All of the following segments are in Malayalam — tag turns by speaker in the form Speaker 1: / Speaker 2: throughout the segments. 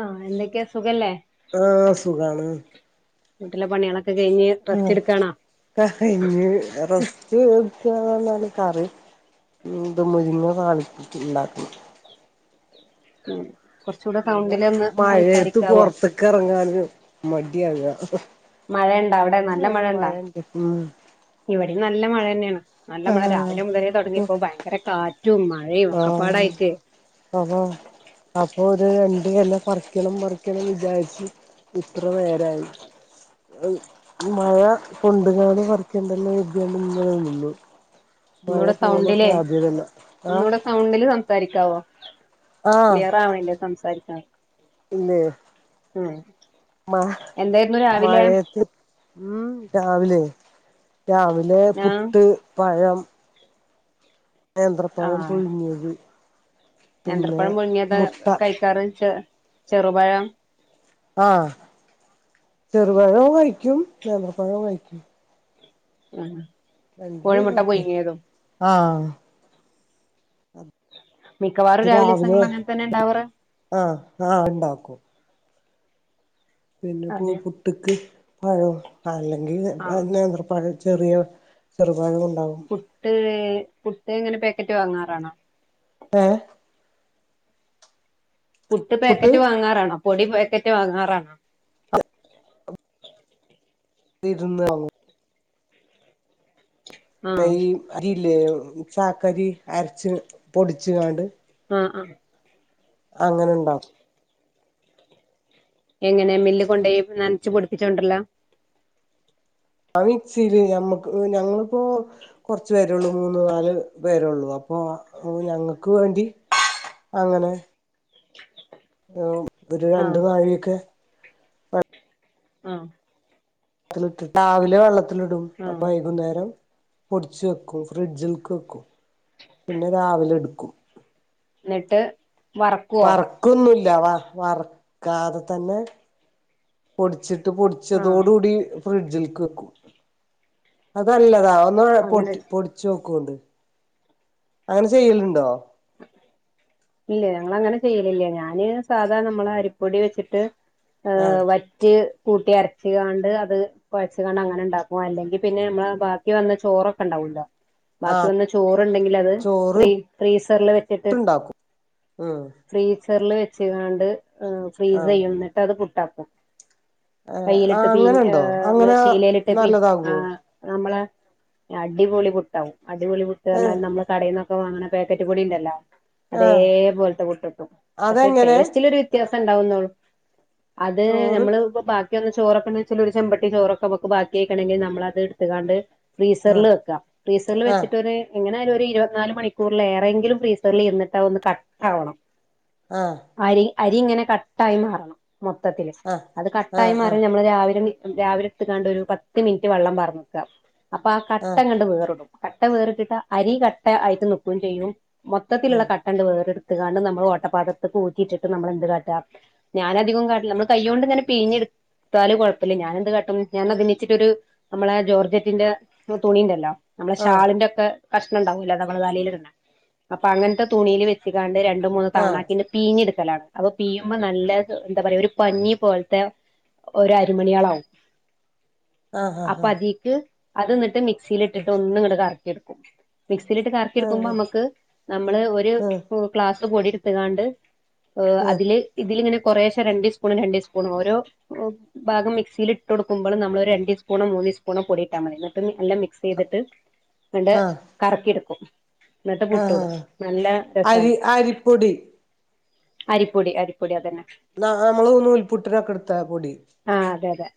Speaker 1: ആഹ് എന്തേക്ക്യാ സുഖല്ലേ?
Speaker 2: ആഹ് സുഖാണ്.
Speaker 1: വീട്ടിലെ പണ്യേളൊക്കെ കഴിഞ്ഞ്
Speaker 2: ആഹ്
Speaker 1: റെസ്റ്റ് എടുക്കാണോ
Speaker 2: ഒക്കെ കയ്ഞ്ഞ് റസ് റ്റ്ട്ക്കാന്ന്റ്ഞ്ഞാല് കറി ഇത് മുരിങ്ങ താളിപ്പിച്ച്ണ്ടാക്കണം
Speaker 1: ഏഹ് കൊറ്ച്ചൂടെ സൗണ്ടിലോന്ന് സംസാരിക്കാവോ?
Speaker 2: ക്കെറങ്ങാന് മട്യാക
Speaker 1: മഴണ്ടോ അവിടെ നല്ല മഴണ്ടാ?
Speaker 2: ഉം
Speaker 1: ഇവടിം നല്ല മഴന്നാണ് നല്ല മഴ
Speaker 2: ആഹ്
Speaker 1: രാവിലെ മുതലേ
Speaker 2: അപ്പൊ
Speaker 1: തോടങ്ങിപ്പോ ഭയങ്കര കാറ്റും മ
Speaker 2: ആഹ് അതൊ. അപ്പൊ ഒരു രണ്ട്‌ കല്ലം പറിക്കണം പറിക്കണം വിചാരിച്ച്. ഇത്ര നേരായി. അഉ മഴ കൊണ്ടുങ്ങാന് പറിക്കേണ്ടല്ലൊ വിദ്യമ ഇങ്ങനെ നിന്നു. മഴ
Speaker 1: ഒന്നൂടെ
Speaker 2: പോണ
Speaker 1: സൗണ്ടിലേ
Speaker 2: സാധ്യതല്ല ആഹ്
Speaker 1: ഒന്നൂടെ സൗണ്ടിൽ സംസാരിക്കാവോ
Speaker 2: ആഹ്
Speaker 1: ക്ലിയർ ആവണില്ല സംസാരിക്കണ
Speaker 2: ഇല്ലേ?
Speaker 1: ഉം
Speaker 2: മ
Speaker 1: എന്തായിരുന്നു രാവിലെ?
Speaker 2: മഴയത്ത് ഉം രാവിലെ രാവിലെ
Speaker 1: ആഹ്
Speaker 2: പുട്ട്, പഴം. നേന്ത്രപ്പയം
Speaker 1: ആഹ്
Speaker 2: പുഴിങ്ങ്യത്.
Speaker 1: നേന്ത്രപ്പഴം മുഴങ്ങിയത കഴിക്കാറ് ചെറുപഴം
Speaker 2: ആഹ് ചെറുപഴവും കഴിക്കും നേന്ത്രപ്പഴവും കഴിക്കും.
Speaker 1: ആഹ്
Speaker 2: രണ്ടും
Speaker 1: കോഴിമുട്ട
Speaker 2: കൊഴപ്പല്ല
Speaker 1: പുഴിങ്ങ്യതും.
Speaker 2: ആഹ്
Speaker 1: മിക്കവാറും
Speaker 2: അത് രാവിലെ
Speaker 1: രാവിലെസങ്ങളിൽ അങ്ങനെ തന്നെ ഉണ്ടാവാറ്.
Speaker 2: ആഹ് ആഹ് ഉണ്ടാക്കും. പിന്നെ പു
Speaker 1: അതെ
Speaker 2: പുട്ട്ക്ക് പഴം അല്ലെങ്കിൽ
Speaker 1: ആഹ്
Speaker 2: നേന്ത്ര പഴം. ചെറിയ ചെറുപഴൊണ്ടാകും.
Speaker 1: പുട്ട് പുട്ട് ങ്ങന പാക്കറ്റ് വാങ്ങാറാണോ?
Speaker 2: ഏഹ്
Speaker 1: പുട്ട് പാക്കറ്റ് വാങ്ങാറാണോ പൊടി പാക്കറ്റ് വാങ്ങാറാണോ?
Speaker 2: ഇരുന്നാങ്ങും.
Speaker 1: ആഹ്
Speaker 2: അരില്ലേ ചാക്കരി അരച്ച് പൊടിച്ചു കാണ്ട്.
Speaker 1: ആഹ് ആഹ്
Speaker 2: അങ്ങനെണ്ടാവും.
Speaker 1: എങ്ങനെ മില്ല് കൊണ്ടോയി നനച്ചു പൊടിപ്പിച്ചു കൊണ്ടോരലാ?
Speaker 2: ആ മിക്സിയില് ഞമ്മക്ക് ഞങ്ങളിപ്പോ കൊർച്ചു പേരുള്ളൂ മൂന്ന് നാല് പേരേള്ളൂ അപ്പൊ ഞങ്ങക്ക് വേണ്ടി. അങ്ങനെ. ഒരു രണ്ടു
Speaker 1: ആഹ്
Speaker 2: നാഴൊക്കെ.
Speaker 1: ആഹ്
Speaker 2: വെള്ളത്തിലിട്ട് രാവിലെ വെള്ളത്തിലിടും അപ്പൊ
Speaker 1: ആഹ്
Speaker 2: വൈകുന്നേരം. പൊടിച്ച് വെക്കും ഫ്രിഡ്ജിൽക്ക് വെക്കും പിന്നെ രാവിലെ എടുക്കും
Speaker 1: എന്നിട്ട് വറക്കുവോ
Speaker 2: വറക്കൊന്നുമല്ല വ വറക്കാതെ തന്നെ പൊടിച്ചിട്ട് പൊടിച്ചതോട
Speaker 1: ആഹ്
Speaker 2: കൂടി ഫ്രിഡ്ജിലക്ക് വെക്കും അതല്ലതാ ഒന്ന് പൊ
Speaker 1: അങ്ങനെ
Speaker 2: പൊടിച്ചേക്കോണ്ട് അങ്ങനെ ചെയ്യലുണ്ടോ
Speaker 1: ഇല്ലെ ഞാനങ്നെ ചെയ്യലില്ലേ ഞാന് സാധാ നമ്മള അരിപ്പൊടി വെച്ചിട്ട്
Speaker 2: ആഹ്
Speaker 1: ആവറ്റ് കൂട്ടി അരച്ചുകാണ്ട് അത് കൊയച്ച് കണ്ട അങ്ങനെ ഉണ്ടാക്കും അല്ലെങ്കിൽ പിന്നെ നമ്മള് ബാക്കി വന്ന ചോറൊക്കെ ണ്ടാകുവല്ലൊ ഉണ്ടാവല്ലോ ബാക്കി
Speaker 2: ആഹ്
Speaker 1: വന്ന ചോറുണ്ടെങ്കിൽ അത്
Speaker 2: ചോറ്
Speaker 1: ഫ ഫ്രീസറിില് വെച്ചിട്ട്
Speaker 2: ആ
Speaker 1: ഫ്രീസറിൽ വെച്ച് കാണ്ട് ഫ്രീസ്
Speaker 2: ആഹ്
Speaker 1: ചെയ്യുന്നിട്ട് അത ഫുഡാക്കും
Speaker 2: ഏഹ്
Speaker 1: കയ്യിലിട്ട്
Speaker 2: ആഹ്
Speaker 1: പി
Speaker 2: അങ്ങനെണ്ടോ അങ്ങനെ
Speaker 1: ശീലയിലിട്ട്പ്പ ആ
Speaker 2: നല്ലതാകുവോ
Speaker 1: നമ്മള അടിപൊളി പുട്ടാവും അടിപൊളി പൊട്ടുക
Speaker 2: ഏഹ്
Speaker 1: നമ്മ കടയിന്നക്കെ വാങ്ങണ പാക്കറ്റ് പൊടിയ ണ്ടല്ലോ '
Speaker 2: ആഹ്
Speaker 1: അതേപോലത്തെ പുട്ടിട്ടു പക്ഷെ
Speaker 2: അതെങ്ങനെ
Speaker 1: ടേസ്റ്റിലൊരു വ്യത്യാസം ഉണ്ടാവുന്നുോള്ളു അത്
Speaker 2: ചോറ്
Speaker 1: നമ്മള് ഇപ്പ ചോൊക്കെന്ന് വെച്ചാല് ഒരു ചെമ്പട്ട ചോറൊക്കെമുക്ക് ബാക്കിക്കണമെങ്ക നമ്മളത് എട്ത്തക്കാണ്ട്
Speaker 2: ആഹ്
Speaker 1: ഫ്രീസറിൽ വെക്കാം ഫ്രീസറിൽ
Speaker 2: ആഹ്
Speaker 1: വെച്ചിട്ട്ര് ഒര് എങ്ങനെയാലും ഒരു ഇരുപത്തിനാല് മണിക്കൂറൽ ഏറെങ്കിലും ഫ്രീസറിൽ ഇരിട്ട്ാ ഒന്ന് കട്ട് ആാവണം
Speaker 2: ആഹ
Speaker 1: അരി അരി ഇങ്ങനെ കട്ടായി മാറണം മൊത്തത്തില്
Speaker 2: ആഹ്
Speaker 1: അത് കട്ടായി
Speaker 2: ആഹ്
Speaker 1: മാറിഞ് നമ്മള് രാവിലെ രാവിലെ കണ്ട് ഒരു പത്ത് മിനിറ്റ് വെള്ളം പറന്നക്കാം അപ്പൊ ആ
Speaker 2: ആഹ്
Speaker 1: കട്ടങ്ങട്കണ്ട് വേറിടും കട്ട വേറിട്ടട്ട് അരി കട്ട ആയിട്ട് നൽക്കുകയും ചെയ്യും
Speaker 2: ആഹ്
Speaker 1: മൊത്തത്തിലുള്ള കട്ട രണ്ടു പേർടുത്തുകാണ്ട് നമ്മൾ ഓട്ടപ്പാത്രത്തിൽ പൂറ്റിയിട്ടിട്ട് നമ്മളെന്ത് കാട്ടുക ഞാനധിക കാട്ടില്ല നമ്മള് കൈ കൊണ്ട്നൻ പിഴഞ്ഞെടുത്താും കുഴപ്പില്ല ഞാാന എന്ത് കാട്ടും ഞാന അ വച്ചിട്ടൊരു നമ്മളെ ജോർജറ്റിന്റെ തുണിുണ്ടല്ലോ നമ്മളെ
Speaker 2: ആഹ്
Speaker 1: ഷാളിന്റെ ഒക്കെ കഷ്ണംമ ഉണ്ടാവൂില്ല തവള് കലൽ ഇ അപ്പൊ അങ്ങനത്തെ തുണിൽ വെച്ചുകാണ്ട് രണ്ടു മൂന്ന്
Speaker 2: ആഹ്
Speaker 1: തവണാക്കിന് പീഞ്ഞെടുക്കലാണ് അപ്പൊ പീയുമ്പോ നല്ല എന്താ പറയാ ഒരു പനി പോലത്തെ ഒരരിമണിയാളാവ
Speaker 2: ആഹ് ആഹ്
Speaker 1: അപ്പൊ അതിക്ക് അത് ഇന്നിട്ട് മിക്സിൽ ഇട്ടിട്ട് ഒന്നും ഇങ്ങട്ട കറക്കിെടുക്കും മിക്സിയിലിട്ട് കറക്കി
Speaker 2: ആഹ്
Speaker 1: എടുക്കുമ്പോ
Speaker 2: ആഹ്
Speaker 1: നമുക്ക് നമ്മള് ഒരു ഗ്ലാസ് പൊടിരുത്തുകാണ്ട് ഓ അതില് ഇതിലിങ്ങനെ കൊറേശം രണ്ട സ്പൂണും രണ്ടേ സ്പൂണും ഓരോ ഭാഗം മിക്സിയിൽ ഇട്ട്ടുക്ക്പോൾ നമ്മൾ രണ്ട് സ്പൂണോൂന്ന് സ്പൂണോൊയിട്ടാൽ മതിട്ട് നല്ല മ ചെയ്തിട്ട് എന്നിട്ട്
Speaker 2: ആഹ്
Speaker 1: കറക്കിെടുക്കും എന്നിട്ട്
Speaker 2: ആഹ്
Speaker 1: പുട്ട ഇടും
Speaker 2: ആഹ്
Speaker 1: നല്ല
Speaker 2: അരി
Speaker 1: രസമാണ്
Speaker 2: അരിപ്പൊടി
Speaker 1: അരിപ്പൊടി അരിപ്പൊടി അതന്നെ
Speaker 2: ന നമ്മള് തന്ന നൂൽപുട്ടിനൊക്കെ എടുത്ത പൊടി
Speaker 1: ആ് അതെ അതെ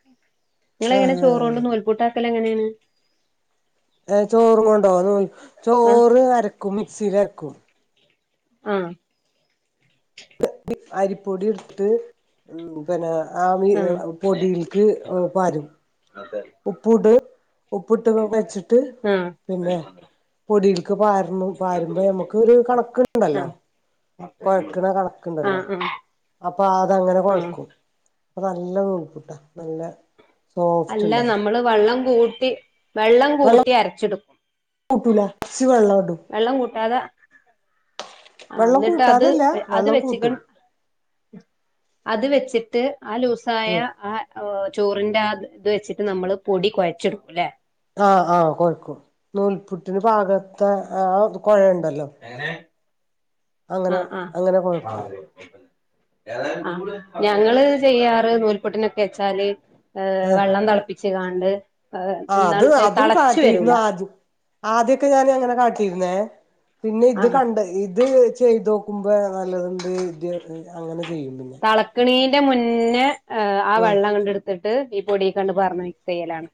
Speaker 1: ങ്ങളെങ്ങനെ ചോറ
Speaker 2: ആഹ്
Speaker 1: കൊണ്ട് നൂൽപൂട്ടാക്കൽ എങ്ങനെയാണ്
Speaker 2: ഏ ചോറും കൊണ്ടോ നോ ചോ
Speaker 1: ആഹ്
Speaker 2: അരക്കും മിക്സിയിലരക്കും
Speaker 1: ആഹ
Speaker 2: അരിപ്പൊടി ഇട്ത്തി് ഉം പിന്നെ ആമ
Speaker 1: ആ
Speaker 2: പൊടിൽക്ക് പരും
Speaker 1: അതെ
Speaker 2: ഉപ്പ ഇട് ഉപ്പിട്ട് വെച്ചിട്ട്
Speaker 1: ആ
Speaker 2: പിന്നെ പൊടിൽക്ക് പാര ണംപാരുമ്പോ നമുക്ക് ഒരു കണക്കുണ്ടല്ലോ
Speaker 1: ആ
Speaker 2: കൊഴക്കണ
Speaker 1: ആ
Speaker 2: കണക്കുണ്ടല്ലോ
Speaker 1: ആ
Speaker 2: അപ്പൊ അതങ്ങനെ
Speaker 1: ആ
Speaker 2: കൊഴക്കും അപ്പൊ നല്ല നൂൽപ്പുട്ട നല്ലെ
Speaker 1: അല്ല നമ്മള് വെള്ളം കൂട്ടി വെള്ളം കൂട്ടി അരച്ചെടുക്കും
Speaker 2: കൂട്ടൂല ഇച്ചിരി വെള്ളം ഇടും
Speaker 1: വെള്ളം കൂട്ടാതെ ആ
Speaker 2: വെള്ളം
Speaker 1: എന്നിട്ട് അത്
Speaker 2: കൂട്ടാതല്ല
Speaker 1: അത്
Speaker 2: വെള്ളം
Speaker 1: വെച്ചക്കാൻ
Speaker 2: കൂട്ടും
Speaker 1: അത് വെച്ചിട്ട് ആ ലൂസായ
Speaker 2: ഉം
Speaker 1: ആ ചോറിന്റെ ഇത് വെച്ചിട്ട് നമ്മള് പൊടി കൊഴച്ചാടുകുയിലെ അല്ലെ
Speaker 2: ആഹ ആഹ് കൊഴക്കും നൂൽപുട്ടിന് പാഗത്തെ ആ കൊഴ ണ്ടല്ലോ
Speaker 1: എങ്ങനെ
Speaker 2: അങ്ങനെ അങ്ങനെ കൊഴക്കും
Speaker 1: ആ ഞങ്ങള് ചെയ്യാറ് നൂൽപൊട്ടിനൊക്കെ വെച്ചാൽ ഏ ഹ
Speaker 2: ആഹ്
Speaker 1: വെള്ളം തിളപ്പിച്ചു കണ്ട്
Speaker 2: ആ അത് അതും കാട്ടിയിരുന്നു അതും ആദ്യൊക്കെ ഞാൻ അങ്ങനെ കാട്ടിയിരുന്നേ പിന്നെ ഇത്
Speaker 1: ആ
Speaker 2: കണ്ട് ഇത് ചെയ്തും [unintelligible] നല്ലതുണ്ട് [inaudible] അങ്ങനെ ചെയ്യും പിന്നെ
Speaker 1: അളക്കണീന്റെ മുന്നേ ആ
Speaker 2: ഉം
Speaker 1: വെള്ളം അങ്ങ് എടുത്തിട്ട് ഈ പൊടിക്ക് അങ്ങ് പാർന്നിട്ട് മിക്സ് ചെയ്യലാണ്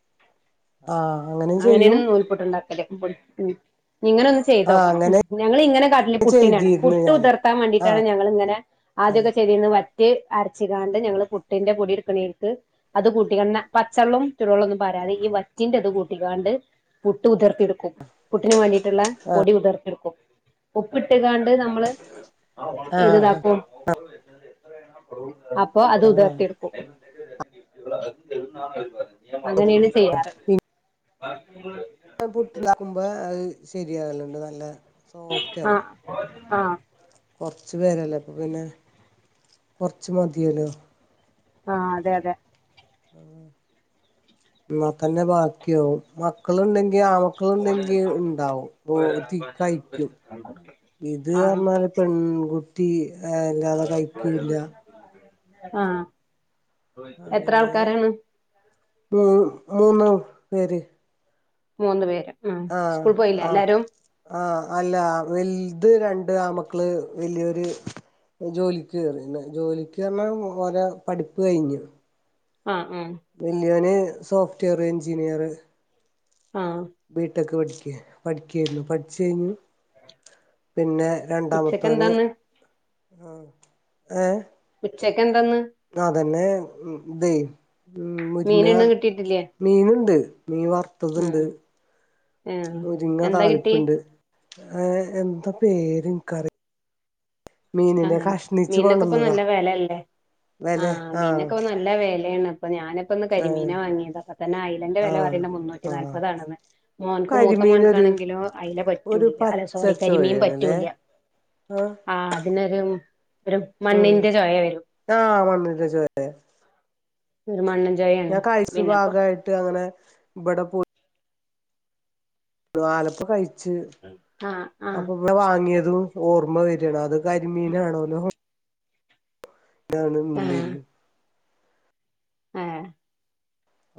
Speaker 2: ആഹ് അങ്ങനെ
Speaker 1: അങ്ങനെയാണ്
Speaker 2: ചെയ്യും
Speaker 1: നൂൽപൊട്ടുണ്ടാകൽ ഇവിടെ നിങ്ങനെ ഒന്നും ചെയ്ത് [inaudible]
Speaker 2: ആ
Speaker 1: ചെയ്തോക്കണം
Speaker 2: അങ്ങനെ
Speaker 1: ഞങ്ങിങ്ങനെ കാട്ടില് പുട്ടിനാണ്
Speaker 2: ചെയ്തിരുന്നു
Speaker 1: പുട്ട്
Speaker 2: ഞാന്
Speaker 1: ഉതിർത്താൻ വേണ്ടിട്ടാണ്
Speaker 2: ആഹ്
Speaker 1: ഞങ്ങിങ്ങനെ ആദ്യൊക്കെ ചെയെതന്ന് വറ്റി അരച്ചുകാണ്ട് ഞങ്ങള്ൾ പുട്ടിന്റെ പൊടി എടുക്കണക്ക് അത് കൂട്ടി തന്നെ പച്ചവെള്ളം ചുടുവെള്ളം ഒന്നും പരത്തെ ഈ വറ്റിന്റെ അത് കൂട്ടി കാണ്ട് പുട്ട് ഉതിർത്തിയെടുക്കും പുട്ടിന് വേണ്ടിട്ടുള്ള പൊടി ഉതിർത്തിെടുക്കും ഉപ്പിട്ട്കാണ്ട് നമ്മള് ഇത്
Speaker 2: ആഹ്
Speaker 1: ഇതാക്കും അപ്പൊ അത് ഉതർത്തി എടുക്കും അങ്ങനെയാണ് ചെയ്യാറ്
Speaker 2: പുട്ട്ണ്ടാക്കുമ്പോ അത് ശരിയാകല്ലുണ്ട് നല്ല സോഫ്റ്റ് ആവും
Speaker 1: ആഹ് ആഹ്
Speaker 2: കൊറച്ച് പേരല്ലേ അപ്പോപിന്നെ കൊറച്ച് മതിയല്ലോ
Speaker 1: ആഹ് അതെ അതെ
Speaker 2: എന്ന തന്നെ ബാക്കിയോവും മാ മക്കളുണ്ടെങ്കി ആമക്കളുണ്ടെങ്കി ഉണ്ടാവും അപ്പൊ ഒത്തി കഴിക്കും ഇത്
Speaker 1: ആഹ്
Speaker 2: പറഞ്ഞാല് പെൺകുട്ടി അല്ലാതെ കഴിക്കൂല്ല
Speaker 1: ആഹ് എത്ര
Speaker 2: അങ്ങനെ
Speaker 1: ആൾക്കാരാണ്
Speaker 2: മു മൂന്ന് പേര്
Speaker 1: മൂന്ന് പേര് ഉം
Speaker 2: ആഹ്
Speaker 1: സ്കൂൾ പോയിലേ
Speaker 2: ആഹ്
Speaker 1: എല്ലാരും
Speaker 2: ആഹ് അല്ല വലുത് രണ്ട് ആമക്കള് വലിയൊര് ജോലിക്ക് കയറിന്ന് ജോലിക്ക് പറഞ്ഞാൽ ഓരെ പഠിപ്പ് കഴിഞ്ഞു
Speaker 1: ആഹ് ഉം
Speaker 2: വല്യോന് സോഫ്റ്റ്‌വെയർ എഞ്ചിനീയറ്
Speaker 1: ആഹ്
Speaker 2: ബി ടെക് പഠിക്ക പഠിക്കായിരുന്നു പഠിച്ചു കഴിഞ്ഞു പിന്നെ
Speaker 1: ഉച്ചക്ക്
Speaker 2: രണ്ടാമത്തവന്
Speaker 1: എന്താന്ന്
Speaker 2: ആഹ് ഏഹ്
Speaker 1: ഉച്ചക്ക് എന്തന്ന്
Speaker 2: അതന്നെ ഇതേ ഉം മുരിങ്ങ
Speaker 1: മീനൊന്നും കിട്ടിട്ടില്ലേ
Speaker 2: മീനുണ്ട് മീൻ വറുത്തതുണ്ട്
Speaker 1: ആഹ് ആഹ്
Speaker 2: മുരിങ്ങ
Speaker 1: എന്താ കിട്ടി
Speaker 2: താളിപ്പുണ്ട് ഏഹ് എന്താ പേര് എനിക്കറ
Speaker 1: ആഹ്
Speaker 2: കഷ്ണിച്ച്
Speaker 1: മീനൊക്കെ ഇപ്പ
Speaker 2: കൊണ്ടന്നതാ
Speaker 1: നല്ല വിലയല്ലേ ആഹ് മീനൊക്കെ നല്ല വിലയാണ് അപ്പൊ ഞാന് ഇപ്പന്ന്
Speaker 2: ആഹ്
Speaker 1: കരിമീന വാങ്ങിയത് അപ്പ തന്നെ ഐയില വില
Speaker 2: ആഹ്
Speaker 1: പറയുന്നത് മുന്നൂറ്റി
Speaker 2: ആഹ്
Speaker 1: നാല്പതാണെന്ന് മോൻക്ക് മൂത്ത
Speaker 2: കരിമീനൊരു ഒരു
Speaker 1: മോൻക്കാണെങ്കിലോ ഐയില
Speaker 2: ഒരു
Speaker 1: പറ്റൂല്ല അല്ല
Speaker 2: പച്ച
Speaker 1: സോറി കരിമീൻ
Speaker 2: ചോയയാണല്ലേ
Speaker 1: പറ്റൂല
Speaker 2: ആഹ്
Speaker 1: ആഹ് അതിനൊരു ഒരു
Speaker 2: ഉം
Speaker 1: മണ്ണിന്റെ ചോയ വരും
Speaker 2: ആഹ് മണിന്റെ ചോയാ
Speaker 1: മണ്ണ്ചെയ
Speaker 2: ഞാൻ കഴ്ച്ച ഭാഗയിട്ട് അങ്ങനെ ഇവിടെ പോയി ആലപ്പ കഴിച്ച്
Speaker 1: ആഹ് ആഹ്
Speaker 2: അപ്പൊ ഇന്ന് വാങ്ങിയതും ഓർമ്മ വരണ അത് കരിമീനാണോലൊ താണ് നല്ലരുന്നു
Speaker 1: ഏഹ്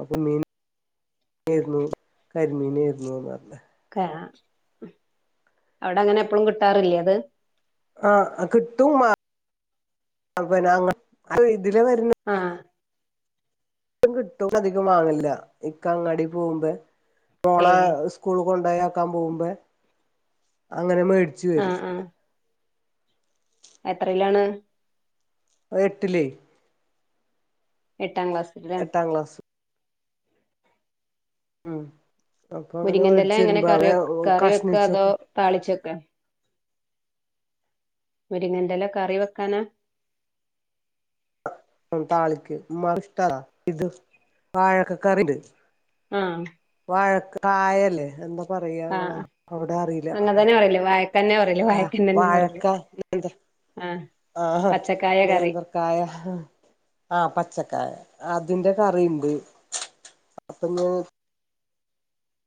Speaker 2: അപ്പൊ മീൻരുന്നു കരിമീനെരുന്നുന്ന് പറഞ്ഞേ
Speaker 1: ക അവിടെങ്ങനെ എപ്പോളും കിട്ടാറില്ലേ അത്
Speaker 2: ആഹ് കിട്ടും മ പിന്നെ അങ്ങ് ഇതില വരുന്ന
Speaker 1: ആഹ്
Speaker 2: കിട്ടും അധികം വാങ്ങല്ല ഇക്ക അങ്ങാടി പോവുമ്പ മോളെ
Speaker 1: ഏഹ്
Speaker 2: സു സ്കൂൾ കൊണ്ടായാക്കാ പോകുമ്പോ അങ്ങനെ മേടി
Speaker 1: ആഹ് ആഹ് എത്രിലാണ്
Speaker 2: അയട്ടിലെ
Speaker 1: എട്ടാം ക്ലാസ്
Speaker 2: എട്ടാം ക്ലാസ് ഉം അപ്പൊ അങ്ങനെ
Speaker 1: മുരിങ്ങന്റെല
Speaker 2: മേടച്ച് വരുമ്പോ അവ കഷ്ണിച്ചൊക്കെ
Speaker 1: താളിചക്കെ മുരിങ്ങന്റല കറി വക്കാനാ
Speaker 2: ഉം താളിക്ക് മ്മാക്ക്ഷ്ടതാ ഇത് വാഴക്കകറിണ്ട്
Speaker 1: ആ ഹ്
Speaker 2: വഴകായല്ലേ എന്താ പറയാങ്ങളാ
Speaker 1: ആഹ്
Speaker 2: അവിടെറിയല
Speaker 1: അങ്ങൻ തന്നെ പറയല് വായക്കന്നെ പറയല് വായക്കന്നന്നെ പറയല്
Speaker 2: വാഴക്ക
Speaker 1: ആഹ്
Speaker 2: ആഹ
Speaker 1: പച്ചക്കായ കറി
Speaker 2: നേന്ത്ര... ക്കായ ആ പച്ചക്കായ അതിന്റെ കറിണ്ട്. അപ്പങ്ങി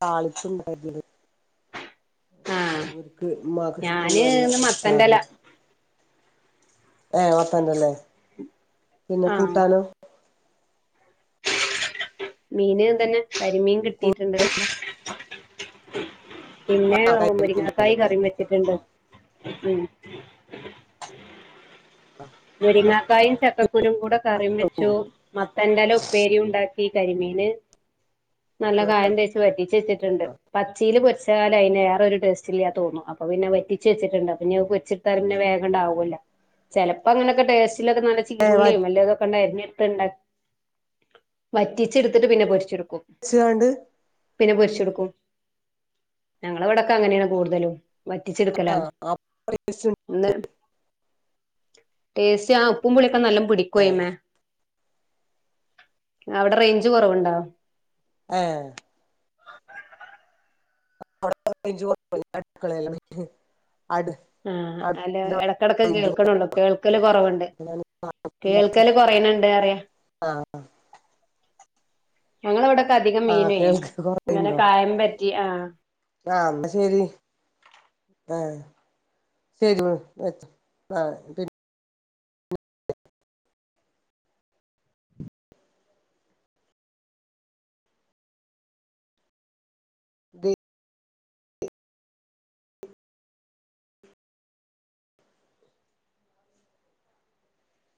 Speaker 2: തളിച്ചും ണ്ടാക്കീണ്
Speaker 1: ആഹ്
Speaker 2: ഓര്ക്ക് ഉമാക്ക് ഇഷ്ടം
Speaker 1: ഞാന്
Speaker 2: നല്ല
Speaker 1: ഇന്ന് മത്തന്റെല
Speaker 2: ഇഷ്ടന്ന് ഏഹ മത്തന്റലെ പിന്നെ
Speaker 1: ആഹ്
Speaker 2: കൂട്ടാനോ
Speaker 1: മീന് തെന്നെ കരിമീൻ കിട്ടീയിട്ട്ണ്ട് പിന്നെ മുരിങ്ങക്കായി കറിം വെച്ചിട്ട്ണ്ട് മുരിങ്ങാക്കായും ചക്കക്കുരും കൂടെ കറിം വെച്ചു. മത്തന്റല ഉപ്പേരിംണ്ടാക്കി കരിമീന്... നല്ല കായം തേച്ച് വറ്റിചെച്ചിട്ട്ണ്ട് പച്ചില് പൊ... വച്ചാല അയിന് വേറെ ഒരു ടേസ്റ്റ് ഇല്ല തോന്നു അപ്പ പിന്നെ വറ്റിച്ചേച്ചിട്ടുണ്ട് അപ്പ ഇഞ്ഞി അത് പൊരിച്ചിടുത്താൽ വേഗണ്ടാവുലോ ചെലപ്പോങ്ങനൊക്കെ ടേസ്റ്റിലൊക്കെ നല്ല
Speaker 2: ഏഹ്
Speaker 1: ചീരുള്ളിയും വല്ലാതൊക്കെ ങ്ങട്ട് അരിഞ്ഞിട്ത്ത് ണ്ടാക്കി വറ്റിച്ചെടുത്തിട്ട് പിന്നെ പൊരിച്ചെടുക്കും.
Speaker 2: ച്ചു ആണ്ട്
Speaker 1: പിന്നെ പൊരിച്ചെടുക്കും ഞങ്ങള വിടക്കങ്ങനെയാണ് കൂടുതലും. വറ്റിച്ചെടുക്കലാണ്.
Speaker 2: ആഹ് അപ്പൊ ടേസ്റ്റ്
Speaker 1: ഒന്ന് ടെസ്റ്റ്‌ ആ ഉപ്പും പുളിയൊക്കെ നല്ല പു
Speaker 2: ഏഹ്
Speaker 1: ടിക്കയ്‌മേ. അവടെ റേഞ്ച് കുറവുണ്ടോ
Speaker 2: ഏ [unintelligible] അടുക്കളെലാന്
Speaker 1: ആഹ അല എടക്കിടക്ക് കേൾക്കണ്ള്ളു. കേൾക്കല് കുറവ്ണ്ട് കേൾക്കല് കൊറണണ്ട് റിയ..
Speaker 2: ആ
Speaker 1: ഞങ്ങളവിടെക്ക അധികം
Speaker 2: ആഹ്
Speaker 1: മീന്
Speaker 2: കേൾക്ക്
Speaker 1: ഇങ്ങനെ കായം പരറ്റി ആ
Speaker 2: ആന്നാ ശരി ആ [unintelligible] [unintelligible]